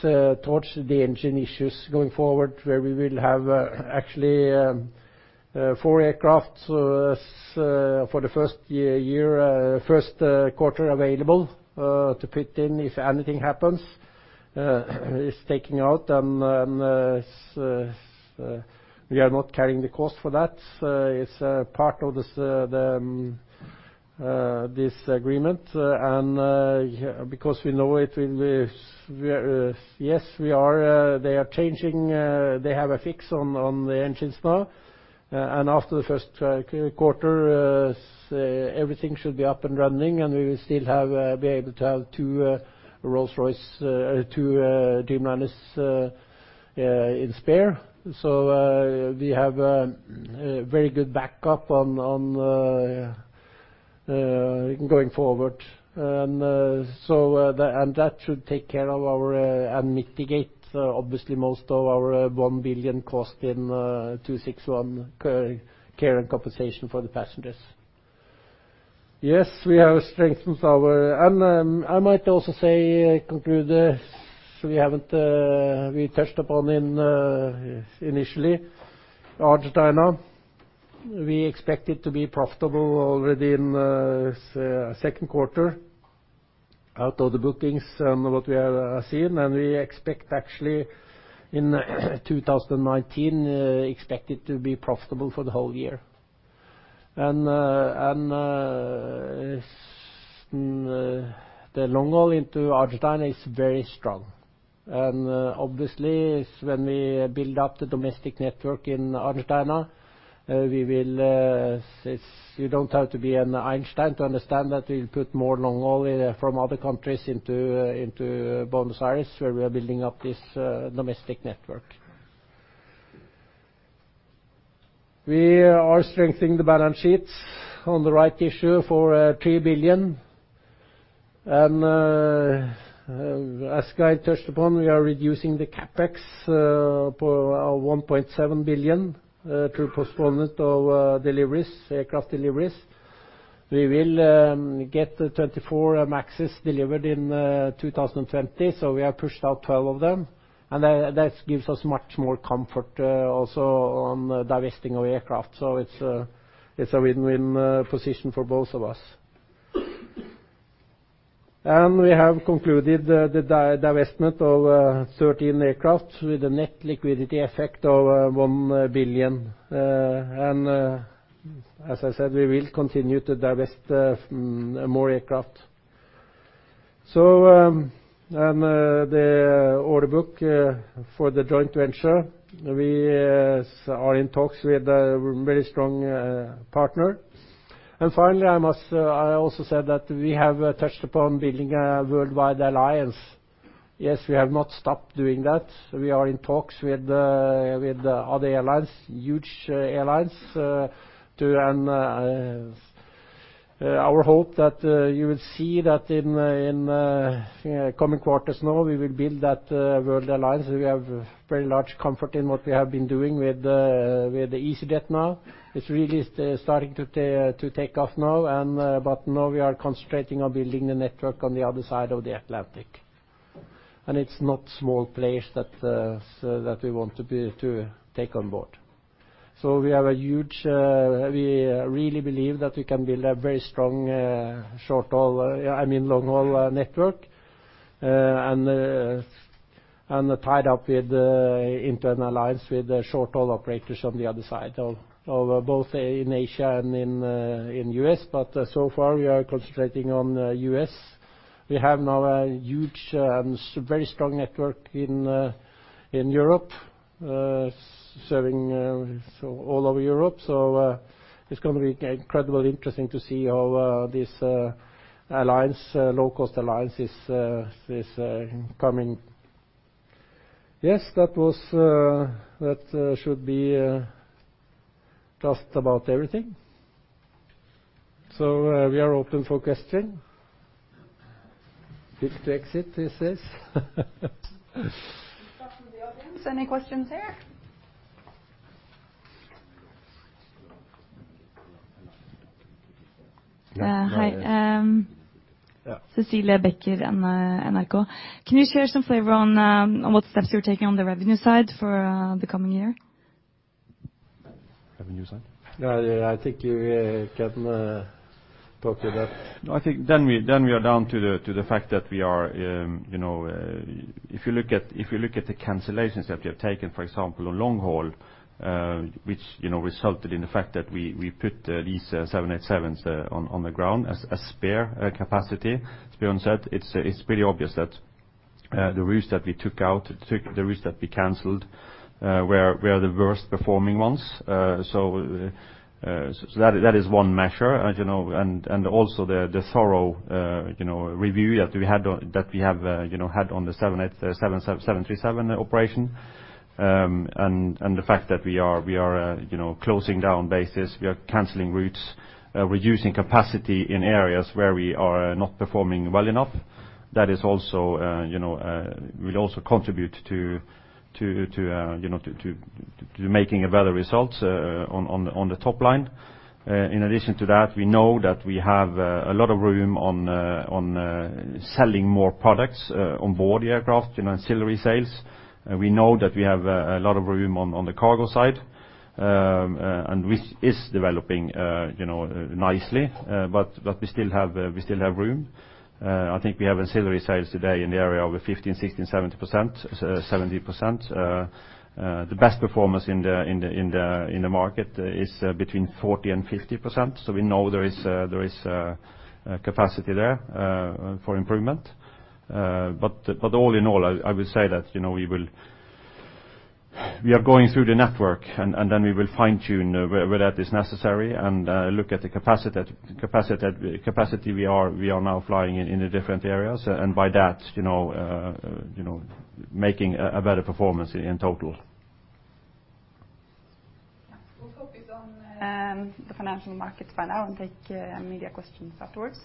towards the engine issues going forward, where we will have actually four aircrafts for the first year, first quarter available to put in if anything happens. It's taking out and we are not carrying the cost for that. It's a part of this agreement and because we know it will. Yes, they are changing. They have a fix on the engines now. After the first quarter, everything should be up and running, and we will still be able to have two Rolls-Royce, two Dreamliners in spare. We have a very good backup on going forward. That should take care of our and mitigate obviously most of our 1 billion cost in 261 care and compensation for the passengers. Yes, we have strengthened our. I might also say conclude this, we touched upon initially Argentina. We expect it to be profitable already in second quarter out of the bookings and what we have seen. We expect actually in 2019, expect it to be profitable for the whole year. The long-haul into Argentina is very strong. Obviously, when we build up the domestic network in Argentina, you don't have to be an Einstein to understand that we'll put more long-haul from other countries into Buenos Aires, where we are building up this domestic network. We are strengthening the balance sheets on the right issue for 3 billion. As Geir touched upon, we are reducing the CapEx for NOK 1.7 billion through postponement of deliveries, aircraft deliveries. We will get 24 MAXes delivered in 2020. We have pushed out 12 of them, and that gives us much more comfort also on divesting of aircraft. It's a win-win position for both of us. We have concluded the divestment of 13 aircraft with a net liquidity effect of 1 billion. As I said, we will continue to divest more aircraft. The order book for the joint venture, we are in talks with a very strong partner. Finally, I also said that we have touched upon building a worldwide alliance. Yes, we have not stopped doing that. We are in talks with other airlines, huge airlines. Our hope that you will see that in coming quarters now, we will build that world alliance. We have very large comfort in what we have been doing with easyJet now. It's really starting to take off now. Now we are concentrating on building the network on the other side of the Atlantic. It's not small plays that we want to take on board. We have a huge. We really believe that we can build a very strong short-haul, I mean, long-haul network. Tied up with internal alliance with short-haul operators on the other side of both in Asia and in U.S. So far, we are concentrating on U.S. We have now a huge and very strong network in Europe, serving all over Europe. It's going to be incredibly interesting to see how this alliance, low-cost alliance is coming. Yes. That should be just about everything. We are open for question. Fifth to exit it says. We start from the audience. Any questions here? Hi. Yeah. Cecilie Becker, NRK. Can you share some flavor on what steps you're taking on the revenue side for the coming year? Revenue side? Yeah, I think you can talk to that. I think then we are down to the fact that if you look at the cancellations that we have taken, for example, on long haul which resulted in the fact that we put these 787s on the ground as spare capacity. To be honest, it's pretty obvious that the routes that we took out, the routes that we canceled were the worst-performing ones. That is one measure. Also the thorough review that we have had on the 737 operation. The fact that we are closing down bases, we are canceling routes, reducing capacity in areas where we are not performing well enough. That will also contribute to making better results on the top line. In addition to that, we know that we have a lot of room on selling more products onboard the aircraft, ancillary sales. We know that we have a lot of room on the cargo side, which is developing nicely. We still have room. I think we have ancillary sales today in the area of 15, 16, 17%. The best performance in the market is between 40% and 50%. We know there is capacity there for improvement. All in all, I will say that we are going through the network, we will fine tune where that is necessary and look at the capacity we are now flying in the different areas. By that making a better performance in total. Yeah. We'll focus on the financial markets for now and take media questions afterwards.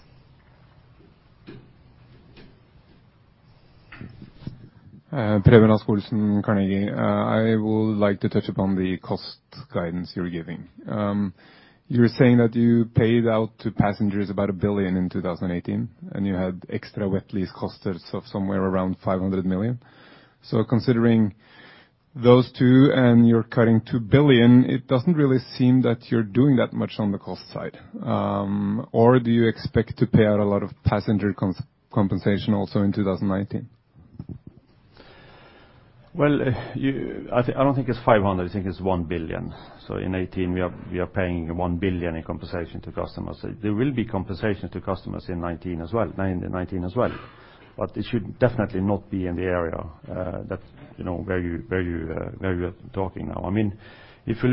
Preben Askjær, Carnegie. I would like to touch upon the cost guidance you're giving. You're saying that you paid out to passengers about 1 billion in 2018, and you had extra wet lease costs of somewhere around 500 million. Considering those two and you're cutting 2 billion, it doesn't really seem that you're doing that much on the cost side. Do you expect to pay out a lot of passenger compensation also in 2019? Well, I don't think it's 500, I think it's 1 billion. In 2018, we are paying 1 billion in compensation to customers. There will be compensation to customers in 2019 as well. It should definitely not be in the area that where you're talking now. If you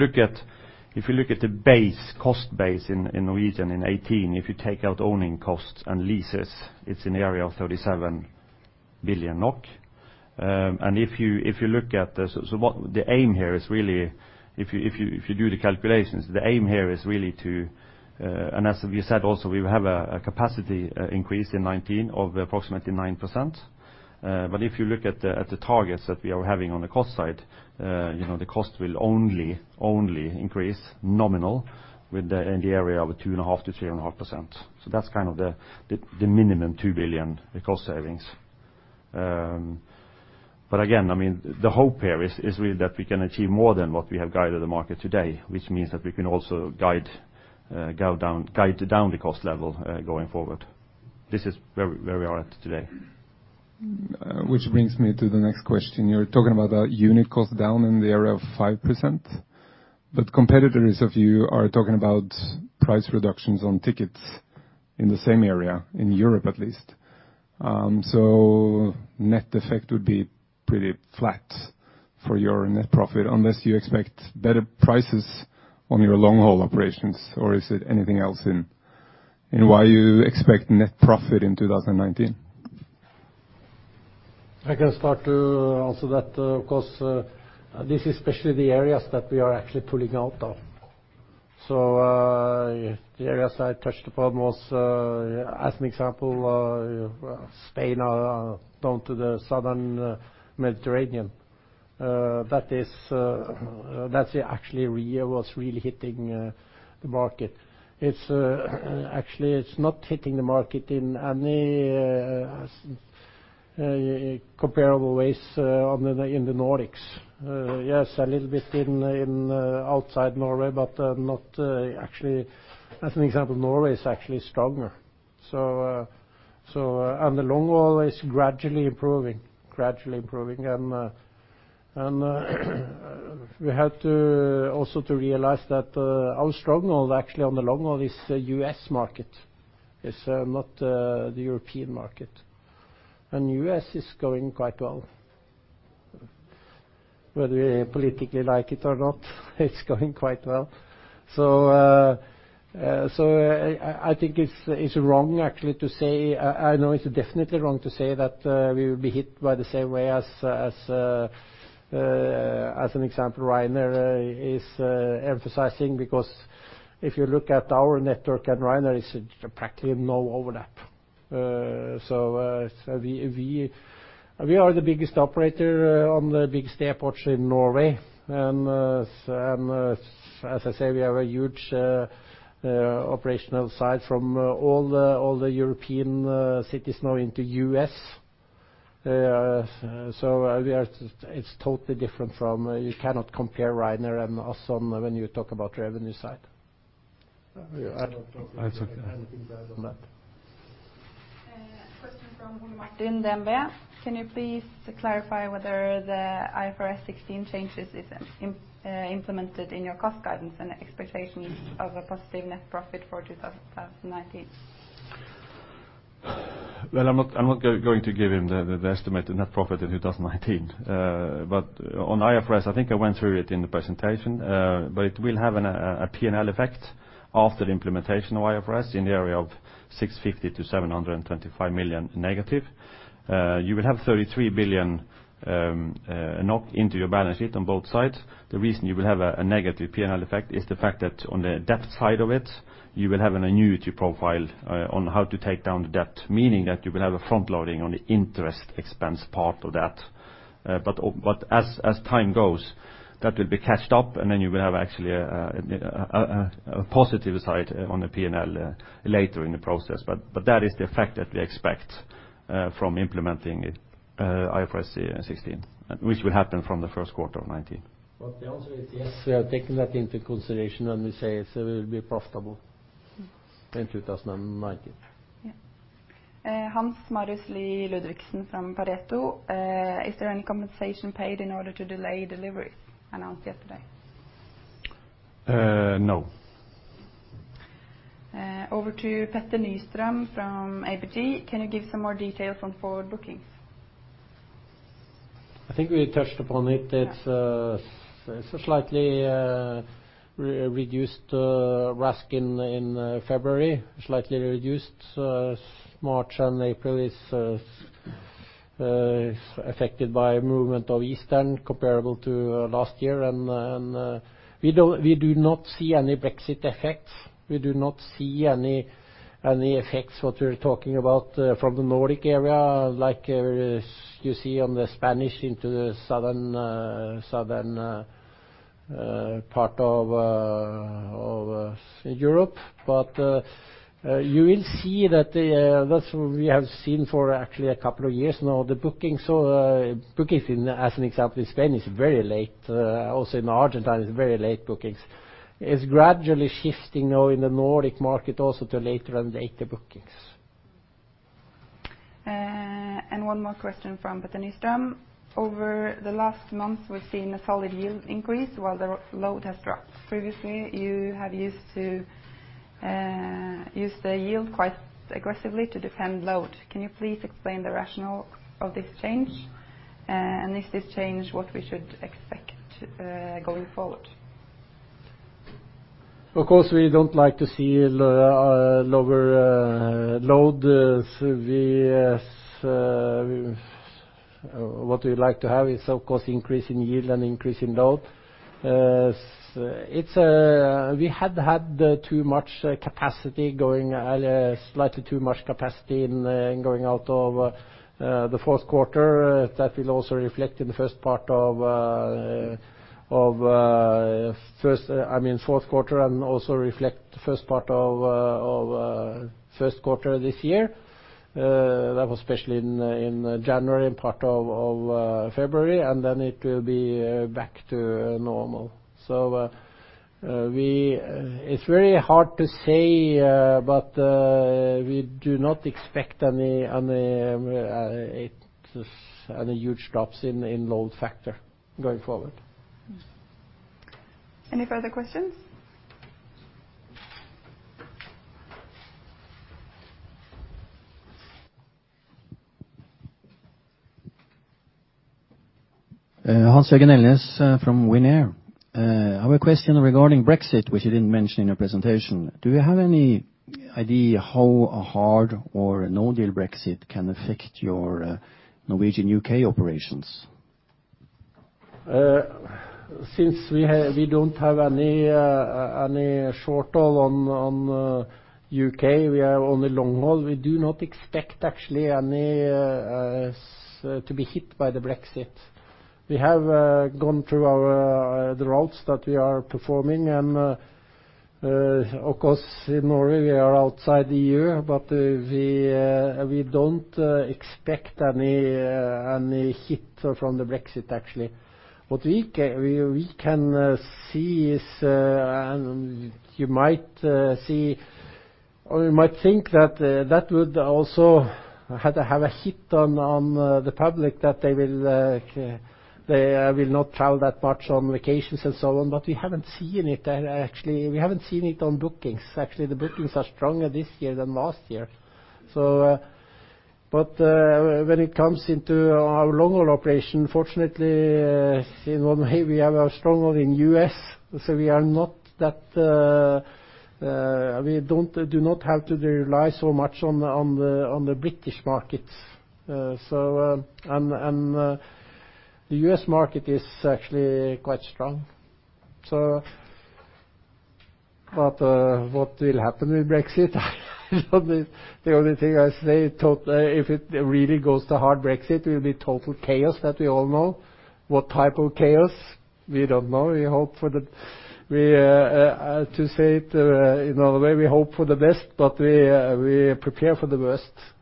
look at the base, cost base in Norwegian in 2018, if you take out owning costs and leases, it's in the area of 37 billion NOK. The aim here is really if you do the calculations, the aim here is really As we said, also, we have a capacity increase in 2019 of approximately 9%. If you look at the targets that we are having on the cost side, the cost will only increase nominal in the area of 2.5%-3.5%. That's kind of the minimum 2 billion in cost savings. The hope here is that we can achieve more than what we have guided the market today, which means that we can also guide down the cost level going forward. This is where we are at today. Which brings me to the next question. You're talking about the unit cost down in the area of 5%, but competitors of you are talking about price reductions on tickets in the same area, in Europe at least. Net effect would be pretty flat for your net profit unless you expect better prices on your long-haul operations. Is it anything else in why you expect net profit in 2019? I can start to answer that. Of course, this is especially the areas that we are actually pulling out of. The areas I touched upon was as an example Spain or down to the southern Mediterranean. That's actually Ryanair was really hitting the market. Actually, it's not hitting the market in any comparable ways in the Nordics. Yes, a little bit outside Norway, but not actually. As an example, Norway is actually stronger. The long haul is gradually improving. We had also to realize that our strong hold actually on the long haul is U.S. market. It's not the European market. U.S. is going quite well. Whether we politically like it or not, it's going quite well. I think it's definitely wrong to say that we will be hit by the same way as, for example, Ryanair is emphasizing, because if you look at our network and Ryanair, there is practically no overlap. We are the biggest operator on the biggest airports in Norway, and as I say, we have a huge operational side from all the European cities now into U.S. It's totally different. You cannot compare Ryanair and us when you talk about revenue side. I don't think I have anything to add on that. A question from Ole Martin Daltveit. Can you please clarify whether the IFRS 16 changes is implemented in your cost guidance and expectations of a positive net profit for 2019? Well, I'm not going to give him the estimated net profit in 2019. On IFRS, I think I went through it in the presentation. It will have a P&L effect after the implementation of IFRS in the area of 650 million-725 million negative. You will have 33 billion into your balance sheet on both sides. The reason you will have a negative P&L effect is the fact that on the debt side of it, you will have an annuity profile on how to take down the debt. Meaning that you will have a front-loading on the interest expense part of that. As time goes, that will be catched up, and then you will have actually a positive side on the P&L later in the process. That is the effect that we expect from implementing IFRS 16, which will happen from the first quarter of 2019. The answer is yes, we are taking that into consideration when we say it will be profitable in 2019. Yeah. Hans-Marius Lee Ludvigsen from Pareto. Is there any compensation paid in order to delay deliveries announced yesterday? No. Over to Petter Nystrøm from ABG. Can you give some more details on forward bookings? I think we touched upon it. Yeah. It's a slightly reduced RASK in February, slightly reduced March. April is affected by movement of Easter comparable to last year. We do not see any Brexit effects. We do not see any effects, what we're talking about from the Nordic area, like you see on the Spanish into the southern part of Europe. You will see that's what we have seen for actually a couple of years now. The bookings as an example in Spain is very late. Also in Argentina, it's very late bookings. It's gradually shifting now in the Nordic market also to later and later bookings. One more question from Petter Nystrøm. Over the last month, we've seen a solid yield increase while the load has dropped. Previously, you have used the yield quite aggressively to defend load. Can you please explain the rationale of this change? Is this change what we should expect going forward? Of course, we don't like to see lower load. What we like to have is, of course, increase in yield and increase in load. We had had slightly too much capacity going out of the fourth quarter. That will also reflect in the first part of first quarter this year. That was especially in January and part of February. Then it will be back to normal. It's very hard to say, but we do not expect any huge drops in load factor going forward. Any further questions? Hans Jørgen Elnæs from Winair. I have a question regarding Brexit, which you didn't mention in your presentation. Do you have any idea how a hard or a no-deal Brexit can affect your Norwegian U.K. operations? Since we don't have any short-haul on U.K., we are only long-haul. We do not expect, actually, to be hit by the Brexit. We have gone through the routes that we are performing and, of course, in Norway we are outside the EU, we don't expect any hit from the Brexit, actually. What we can see is, you might think that that would also have a hit on the public, that they will not travel that much on vacations and so on, we haven't seen it on bookings. Actually, the bookings are stronger this year than last year. When it comes into our long-haul operation, fortunately, in one way, we are stronger in U.S., we do not have to rely so much on the British markets. The U.S. market is actually quite strong. What will happen with Brexit? The only thing I say, if it really goes to hard Brexit, it will be total chaos, that we all know. What type of chaos? We don't know. To say it in a way, we hope for the best, but we prepare for the worst.